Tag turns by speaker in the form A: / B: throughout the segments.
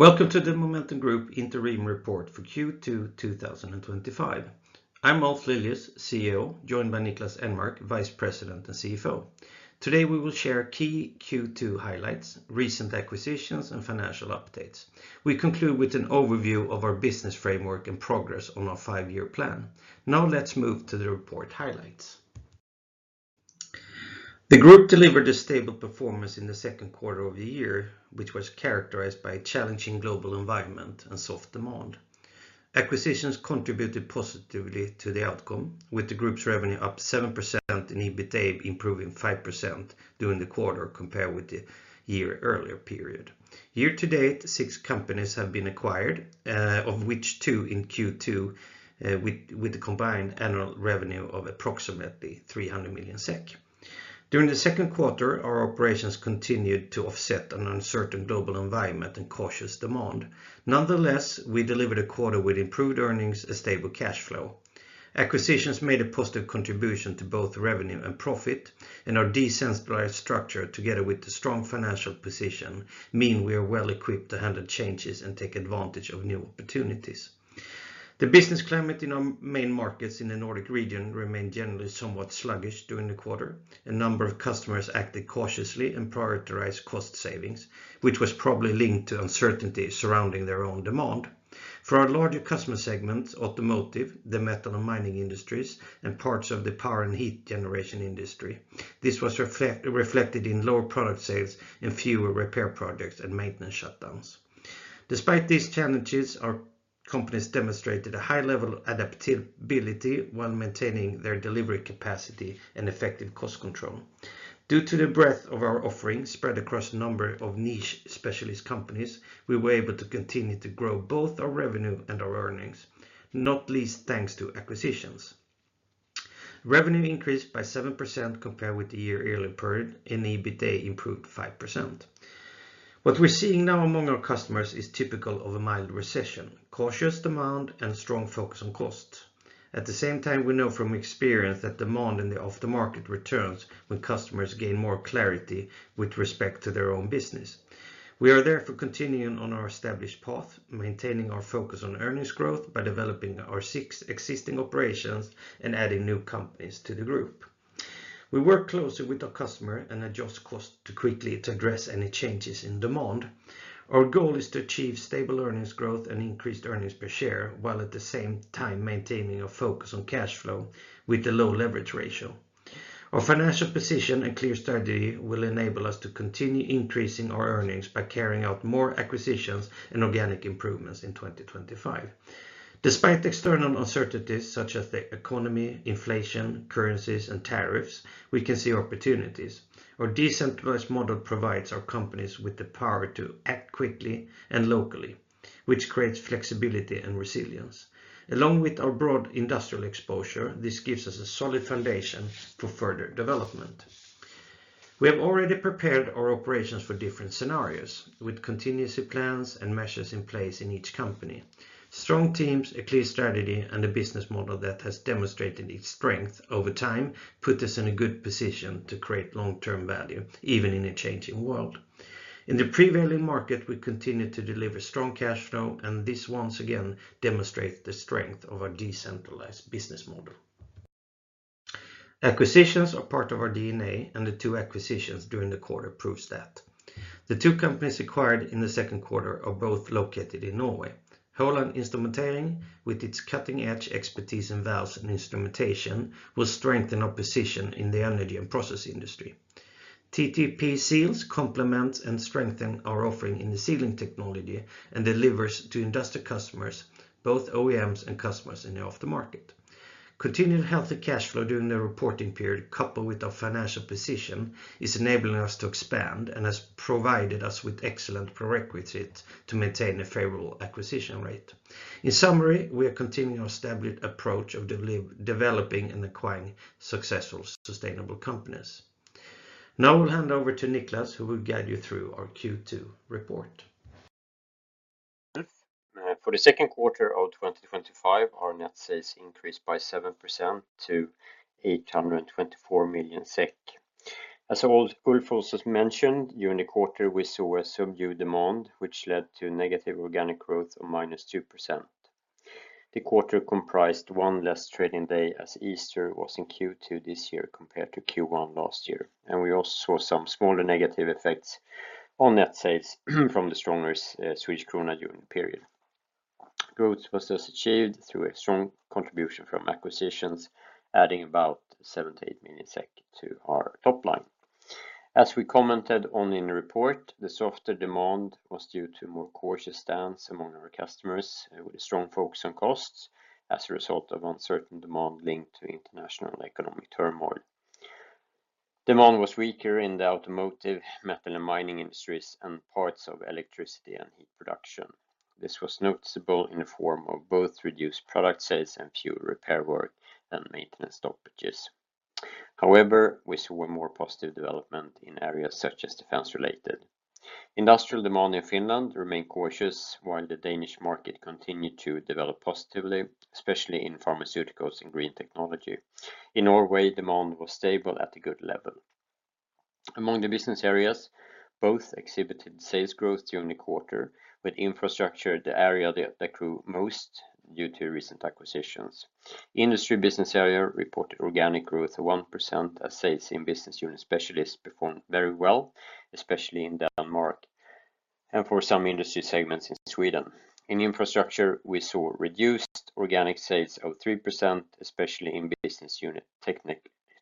A: Welcome to the Momentum Group Interim Report for Q2 2025. I'm Ulf Lilius, CEO, joined by Niklas Enmark, Vice President and CFO. Today, we will share key Q2 highlights, recent acquisitions, and financial updates. We conclude with an overview of our business framework and progress on our five-year plan. Now, let's move to the report highlights. The group delivered a stable performance in the second quarter of the year, which was characterized by a challenging global environment and soft demand. Acquisitions contributed positively to the outcome, with the group's revenue up 7% and EBITDA improving 5% during the quarter compared with the year earlier period. Year to date, six companies have been acquired, of which two in Q2, with a combined annual revenue of approximately 300 million SEK. During the second quarter, our operations continued to offset an uncertain global environment and cautious demand. Nonetheless, we delivered a quarter with improved earnings and stable cash flow. Acquisitions made a positive contribution to both revenue and profit, and our decentralized structure, together with the strong financial position, means we are well equipped to handle changes and take advantage of new opportunities. The business climate in our main markets in the Nordic region remained generally somewhat sluggish during the quarter. A number of customers acted cautiously and prioritized cost savings, which was probably linked to uncertainty surrounding their own demand. For our larger customer segments, automotive, the metal and mining industries, and parts of the power and heat generation industry, this was reflected in lower product sales and fewer repair projects and maintenance shutdowns. Despite these challenges, our companies demonstrated a high level of adaptability while maintaining their delivery capacity and effective cost control. Due to the breadth of our offerings spread across a number of niche specialist companies, we were able to continue to grow both our revenue and our earnings, not least thanks to acquisitions. Revenue increased by 7% compared with the year earlier period, and EBITDA improved 5%. What we're seeing now among our customers is typical of a mild recession, cautious demand, and strong focus on costs. At the same time, we know from experience that demand in the aftermarket returns when customers gain more clarity with respect to their own business. We are therefore continuing on our established path, maintaining our focus on earnings growth by developing our six existing operations and adding new companies to the group. We work closely with our customers and adjust costs quickly to address any changes in demand. Our goal is to achieve stable earnings growth and increased earnings per share, while at the same time maintaining a focus on cash flow with a low leverage ratio. Our financial position and clear strategy will enable us to continue increasing our earnings by carrying out more acquisitions and organic improvements in 2025. Despite external uncertainties such as the economy, inflation, currencies, and tariffs, we can see opportunities. Our decentralized model provides our companies with the power to act quickly and locally, which creates flexibility and resilience. Along with our broad industrial exposure, this gives us a solid foundation for further development. We have already prepared our operations for different scenarios, with contingency plans and measures in place in each company. Strong teams, a clear strategy, and a business model that has demonstrated its strength over time put us in a good position to create long-term value, even in a changing world. In the prevailing market, we continue to deliver strong cash flow, and this once again demonstrates the strength of our decentralized business model. Acquisitions are part of our DNA, and the two acquisitions during the quarter prove that. The two companies acquired in the second quarter are both located in Norway. Håland Instrumentering, with its cutting-edge expertise in valves and instrumentation, will strengthen our position in the energy and process industry. TTP Seals complements and strengthens our offering in the sealing technology and delivers to industrial customers, both OEMs and customers in the aftermarket. Continued healthy cash flow during the reporting period, coupled with our financial position, is enabling us to expand and has provided us with excellent prerequisites to maintain a favorable acquisition rate. In summary, we are continuing our established approach of developing and acquiring successful, sustainable companies. Now, I will hand over to Niklas, who will guide you through our Q2 report.
B: Thanks. For the second quarter of 2025, our net sales increased by 7% to 824 million SEK. As Ulf also mentioned, during the quarter, we saw a subdued demand, which led to negative organic growth of -2%. The quarter comprised one less trading day as Easter was in Q2 this year compared to Q1 last year, and we also saw some smaller negative effects on net sales from the stronger Swiss krona during the period. Growth was thus achieved through a strong contribution from acquisitions, adding about 78 million SEK to our top line. As we commented on in the report, the softer demand was due to a more cautious stance among our customers with a strong focus on costs as a result of uncertain demand linked to international economic turmoil. Demand was weaker in the automotive, metal and mining industries, and parts of electricity and heat production. This was noticeable in the form of both reduced product sales and fewer repair work than maintenance stoppages. However, we saw a more positive development in areas such as defense-related. Industrial demand in Finland remained cautious, while the Danish market continued to develop positively, especially in pharmaceuticals and green technology. In Norway, demand was stable at a good level. Among the business areas, both exhibited sales growth during the quarter, with infrastructure the area that grew most due to recent acquisitions. The industry business area reported organic growth of 1% as sales in business unit specialists performed very well, especially in Denmark, and for some industry segments in Sweden. In infrastructure, we saw reduced organic sales of 3%, especially in business unit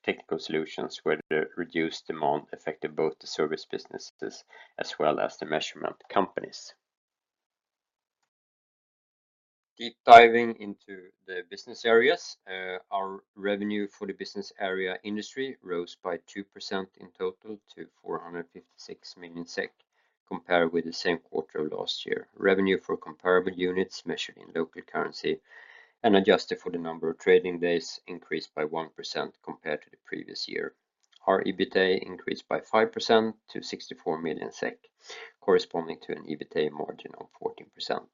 B: technical solutions, where the reduced demand affected both the service businesses as well as the measurement companies. Deep diving into the business areas, our revenue for the business area industry rose by 2% in total to 456 million SEK, compared with the same quarter of last year. Revenue for comparable units measured in local currency and adjusted for the number of trading days increased by 1% compared to the previous year. Our EBITDA increased by 5% to 64 million SEK, corresponding to an EBITDA margin of 14%.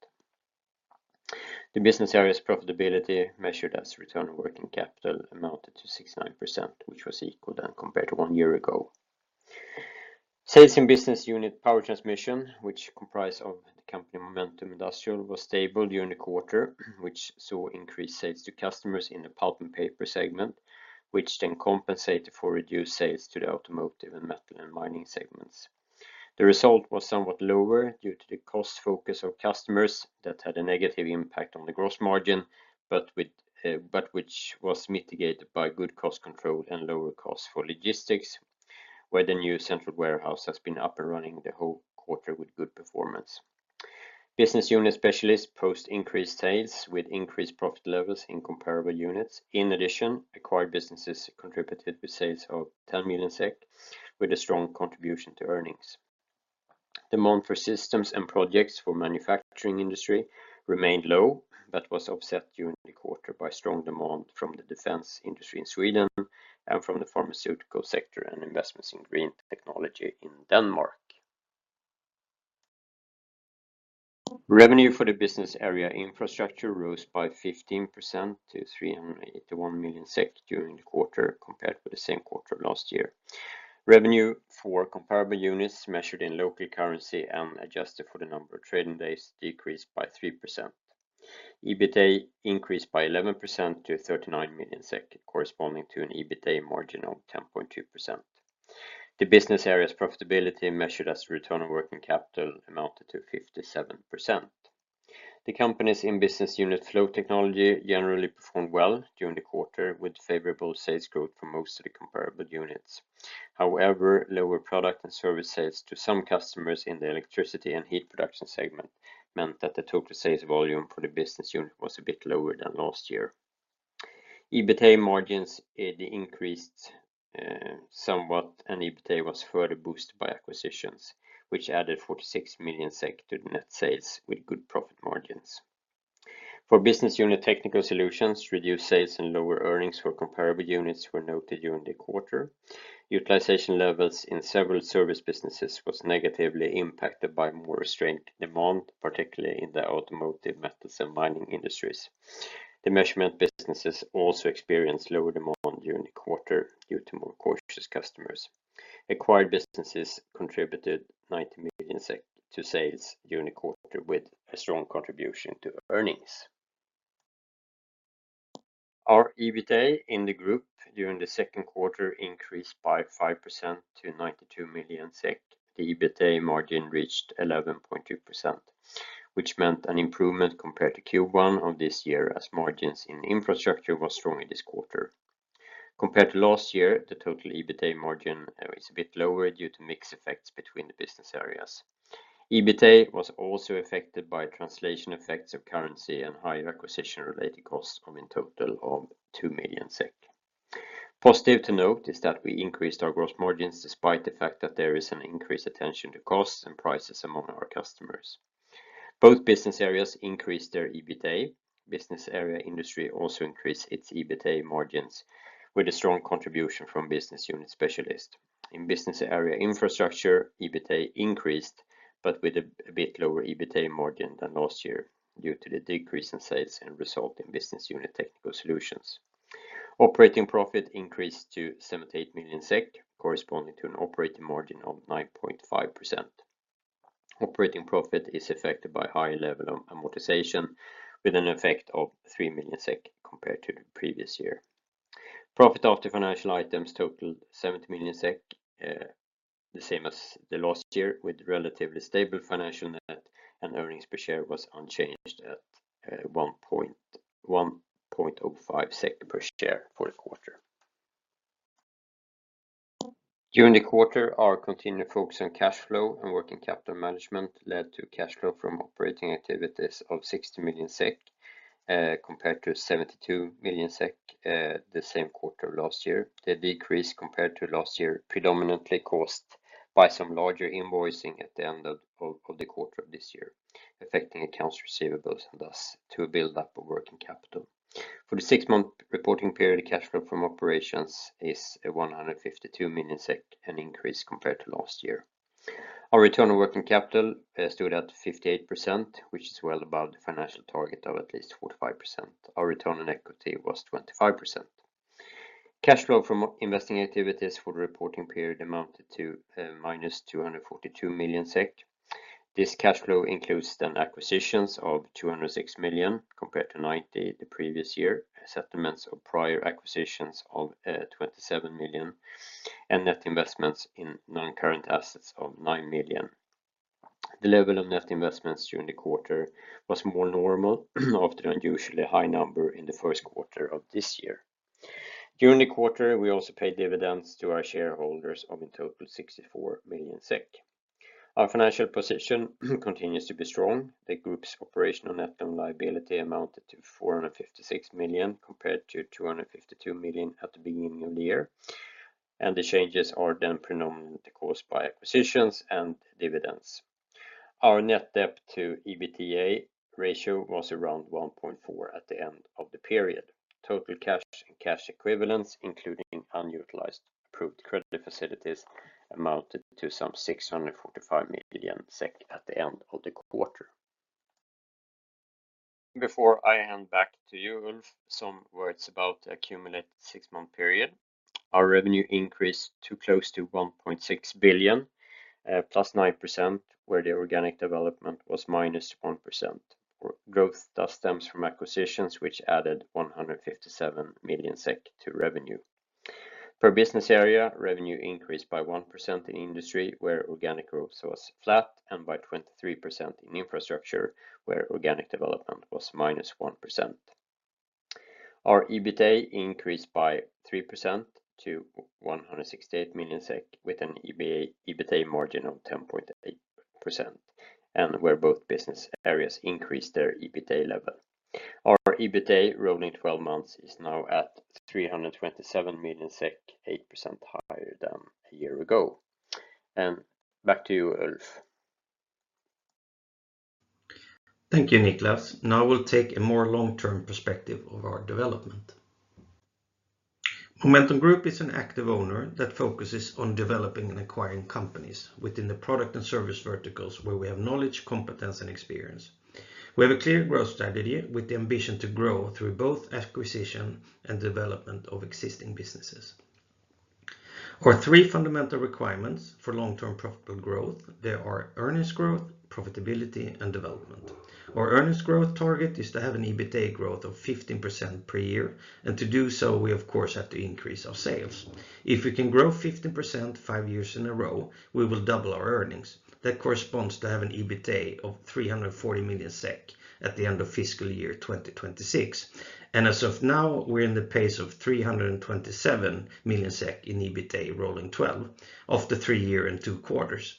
B: The business area's profitability measured as return on working capital amounted to 69%, which was equal then compared to one year ago. Sales in business unit Power Transmission, which comprised of the company Momentum Industrial, was stable during the quarter, which saw increased sales to customers in the pulp and paper segment, which then compensated for reduced sales to the automotive and metal and mining segments. The result was somewhat lower due to the cost focus of customers that had a negative impact on the gross margin, but which was mitigated by good cost control and lower costs for logistics, where the new central warehouse has been up and running the whole quarter with good performance. Business unit Specialists posted increased sales with increased profit levels in comparable units. In addition, acquired businesses contributed with sales of 10 million SEK, with a strong contribution to earnings. Demand for systems and projects for the manufacturing industry remained low, but was offset during the quarter by strong demand from the defense industry in Sweden and from the pharmaceutical sector and investments in green technology in Denmark. Revenue for the business area Infrastructure rose by 15% to 381 million SEK during the quarter compared with the same quarter of last year. Revenue for comparable units measured in local currency and adjusted for the number of trading days decreased by 3%. EBITDA increased by 11% to 39 million SEK, corresponding to an EBITDA margin of 10.2%. The business area's profitability measured as the return on working capital amounted to 57%. The companies in business unit Flow Technology generally performed well during the quarter, with favorable sales growth for most of the comparable units. However, lower product and service sales to some customers in the electricity and heat production segment meant that the total sales volume for the business unit was a bit lower than last year. EBITDA margins increased somewhat, and EBITDA was further boosted by acquisitions, which added 46 million SEK to the net sales with good profit margins. For business unit Technical Solutions, reduced sales and lower earnings for comparable units were noted during the quarter. Utilization levels in several service businesses were negatively impacted by more restrained demand, particularly in the automotive, metals, and mining industries. The measurement businesses also experienced lower demand during the quarter due to more cautious customers. Acquired businesses contributed 90 million to sales during the quarter with a strong contribution to earnings. Our EBITDA in the group during the second quarter increased by 5% to 92 million SEK. The EBITDA margin reached 11.2%, which meant an improvement compared to Q1 of this year as margins in infrastructure were stronger this quarter. Compared to last year, the total EBITDA margin is a bit lower due to mixed effects between the business areas. EBITDA was also affected by translation effects of currency and higher acquisition-related costs of in total 2 million SEK. Positive to note is that we increased our gross margins despite the fact that there is an increased attention to costs and prices among our customers. Both business areas increased their EBITDA. Business area Industry also increased its EBITDA margins with a strong contribution from business unit Specialists. In business area Infrastructure, EBITDA increased, but with a bit lower EBITDA margin than last year due to the decrease in sales and resulting business unit Technical Solutions. Operating profit increased to 78 million SEK, corresponding to an operating margin of 9.5%. Operating profit is affected by a higher level of amortization with an effect of 3 million SEK compared to the previous year. Profit after financial items totaled 70 million SEK, the same as last year, with relatively stable financial net, and earnings per share was unchanged at 1.05 SEK per share for the quarter. During the quarter, our continued focus on cash flow and working capital management led to cash flow from operating activities of 60 million SEK compared to 72 million SEK the same quarter of last year. The decrease compared to last year predominantly caused by some larger invoicing at the end of the quarter of this year, affecting accounts receivables and thus to a buildup of working capital. For the six-month reporting period, the cash flow from operations is 152 million SEK, an increase compared to last year. Our return on working capital stood at 58%, which is well above the financial target of at least 45%. Our return on equity was 25%. Cash flow from investing activities for the reporting period amounted to minus 242 million SEK. This cash flow includes then acquisitions of 206 million compared to 90 million the previous year, settlements of prior acquisitions of 27 million, and net investments in non-current assets of 9 million. The level of net investments during the quarter was more normal after the unusually high number in the first quarter of this year. During the quarter, we also paid dividends to our shareholders of in total 64 million SEK. Our financial position continues to be strong. The group's operational net liability amounted to 456 million compared to 252 million at the beginning of the year, and the changes are then predominantly caused by acquisitions and dividends. Our net debt to EBITDA ratio was around 1.4 at the end of the period. Total cash and cash equivalents, including unutilized approved credit facilities, amounted to some 645 million SEK at the end of the quarter. Before I hand back to you, Ulf, some words about the accumulated six-month period. Our revenue increased to close to 1.6 billion, plus 9%, where the organic development was -1%. Growth stems from acquisitions, which added 157 million SEK to revenue. Per business area, revenue increased by 1% in industry, where organic growth was flat, and by 23% in infrastructure, where organic development was -1%. Our EBITDA increased by 3% to 168 million SEK with an EBITDA margin of 10.8%, and where both business areas increased their EBITDA level. Our EBITDA rolling 12 months is now at 327 million SEK, 8% higher than a year ago. Back to you, Ulf.
A: Thank you, Niklas. Now we'll take a more long-term perspective of our development. Momentum Group is an active owner that focuses on developing and acquiring companies within the product and service verticals where we have knowledge, competence, and experience. We have a clear growth strategy with the ambition to grow through both acquisition and development of existing businesses. Our three fundamental requirements for long-term profitable growth, they are earnings growth, profitability, and development. Our earnings growth target is to have an EBITDA growth of 15% per year, and to do so, we, of course, have to increase our sales. If we can grow 15% five years in a row, we will double our earnings. That corresponds to have an EBITDA of 340 million SEK at the end of fiscal year 2026. As of now, we're in the pace of 327 million SEK in EBITDA rolling 12 of the three-year and two quarters.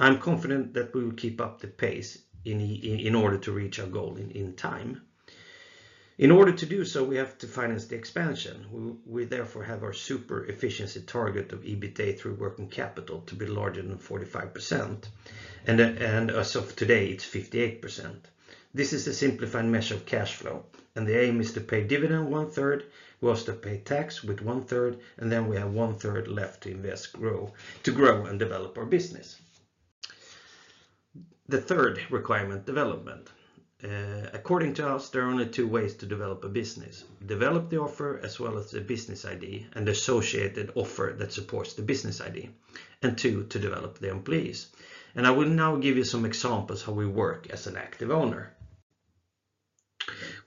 A: I'm confident that we will keep up the pace in order to reach our goal in time. In order to do so, we have to finance the expansion. We therefore have our super-efficiency target of EBITDA through working capital to be larger than 45%, and as of today, it's 58%. This is a simplified measure of cash flow, and the aim is to pay dividend one-third, we also pay tax with one-third, and then we have one-third left to invest to grow and develop our business. The third requirement, development. According to us, there are only two ways to develop a business: develop the offer as well as the business ID and the associated offer that supports the business ID, and two, to develop the employees. I will now give you some examples of how we work as an active owner.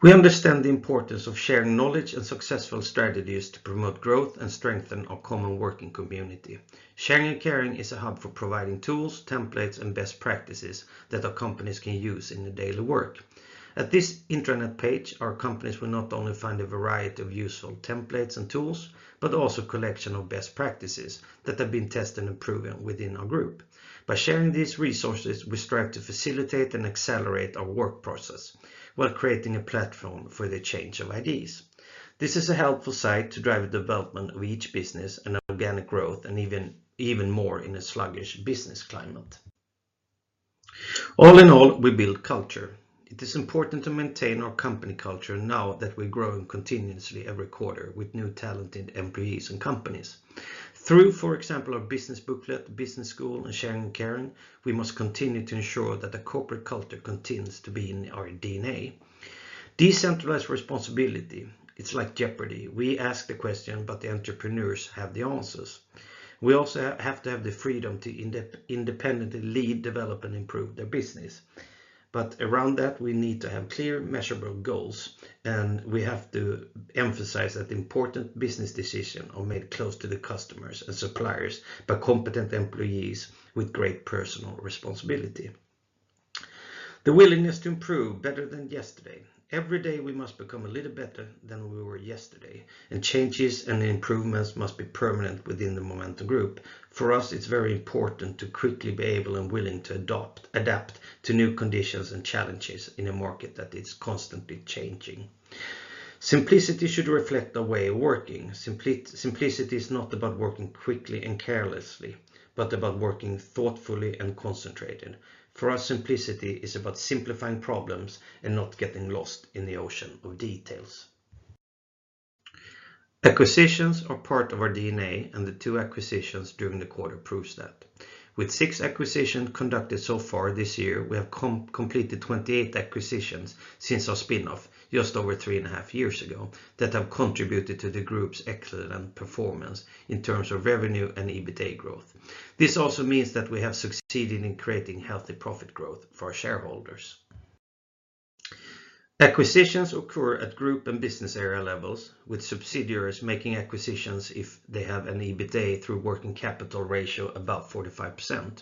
A: We understand the importance of sharing knowledge and successful strategies to promote growth and strengthen our common working community. Sharing and caring is a hub for providing tools, templates, and best practices that our companies can use in the daily work. At this intranet page, our companies will not only find a variety of useful templates and tools, but also a collection of best practices that have been tested and proven within our group. By sharing these resources, we strive to facilitate and accelerate our work process while creating a platform for the change of ideas. This is a helpful site to drive the development of each business and organic growth, and even more in a sluggish business climate. All in all, we build culture. It is important to maintain our company culture now that we're growing continuously every quarter with new talented employees and companies. Through, for example, our business booklet, business school, and sharing and caring, we must continue to ensure that the corporate culture continues to be in our DNA. Decentralized responsibility, it's like Jeopardy. We ask the question, but the entrepreneurs have the answers. We also have to have the freedom to independently lead, develop, and improve their business. Around that, we need to have clear, measurable goals, and we have to emphasize that important business decisions are made close to the customers and suppliers by competent employees with great personal responsibility. The willingness to improve better than yesterday. Every day, we must become a little better than we were yesterday, and changes and improvements must be permanent within the Momentum Group. For us, it's very important to quickly be able and willing to adapt to new conditions and challenges in a market that is constantly changing. Simplicity should reflect our way of working. Simplicity is not about working quickly and carelessly, but about working thoughtfully and concentrated. For us, simplicity is about simplifying problems and not getting lost in the ocean of details. Acquisitions are part of our DNA, and the two acquisitions during the quarter prove that. With six acquisitions conducted so far this year, we have completed 28 acquisitions since our spin-off just over three and a half years ago that have contributed to the group's excellent performance in terms of revenue and EBITDA growth. This also means that we have succeeded in creating healthy profit growth for our shareholders. Acquisitions occur at group and business area levels, with subsidiaries making acquisitions if they have an EBITDA through working capital ratio above 45%.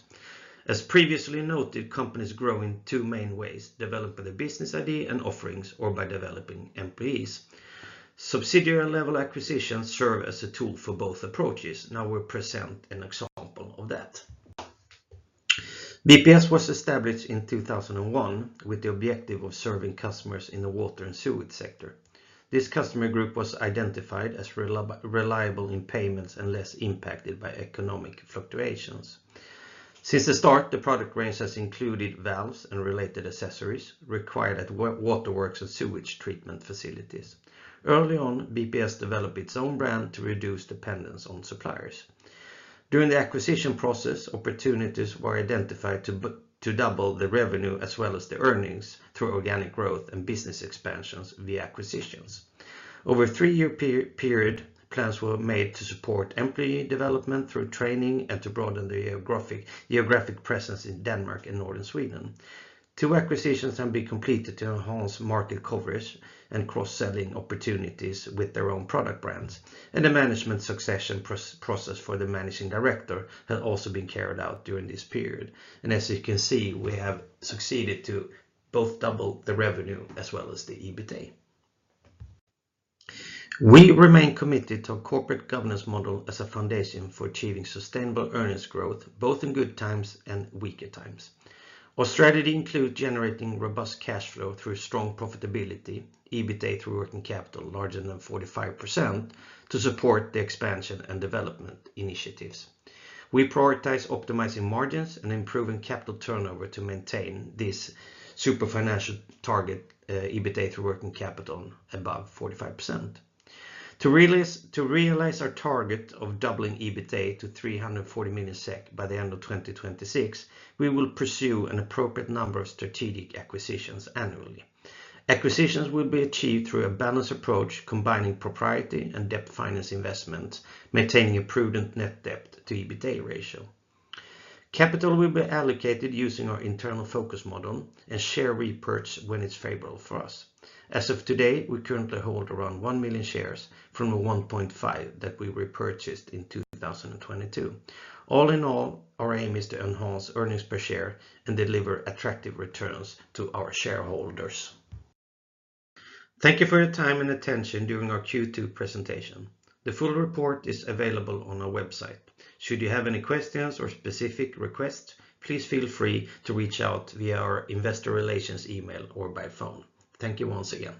A: As previously noted, companies grow in two main ways: developed by the business ID and offerings, or by developing employees. Subsidiary-level acquisitions serve as a tool for both approaches. Now we'll present an example of that. BPS was established in 2001 with the objective of serving customers in the water and sewage sector. This customer group was identified as reliable in payments and less impacted by economic fluctuations. Since the start, the product range has included valves and related accessories required at waterworks and sewage treatment facilities. Early on, BPS developed its own brand to reduce dependence on suppliers. During the acquisition process, opportunities were identified to double the revenue as well as the earnings through organic growth and business expansions via acquisitions. Over a three-year period, plans were made to support employee development through training and to broaden the geographic presence in Denmark and northern Sweden. Two acquisitions have been completed to enhance market coverage and cross-selling opportunities with their own product brands, and the management succession process for the Managing Director has also been carried out during this period. As you can see, we have succeeded to both double the revenue as well as the EBITDA. We remain committed to our corporate governance model as a foundation for achieving sustainable earnings growth, both in good times and weaker times. Our strategy includes generating robust cash flow through strong profitability, EBITDA through working capital larger than 45% to support the expansion and development initiatives. We prioritize optimizing margins and improving capital turnover to maintain this super-efficiency target, EBITDA through working capital above 45%. To realize our target of doubling EBITDA to 340 million SEK by the end of 2026, we will pursue an appropriate number of strategic acquisitions annually. Acquisitions will be achieved through a balanced approach, combining propriety and debt finance investments, maintaining a prudent net debt/EBITDA ratio. Capital will be allocated using our internal focus model and share repurchase when it's favorable for us. As of today, we currently hold around 1 million shares from the 1.5 million that we repurchased in 2022. All in all, our aim is to enhance earnings per share and deliver attractive returns to our shareholders. Thank you for your time and attention during our Q2 presentation. The full report is available on our website. Should you have any questions or specific requests, please feel free to reach out via our investor relations email or by phone. Thank you once again.